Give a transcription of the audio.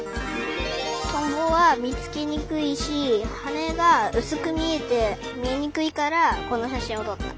トンボはみつけにくいしはねがうすくみえてみえにくいからこのしゃしんをとった。